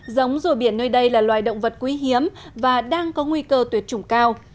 giống rùa biển nơi đây là loài động vật quý hiếm và đang có nguy cơ tuyệt chủng cao